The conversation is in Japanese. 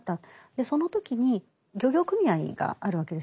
その時に漁業組合があるわけですよね。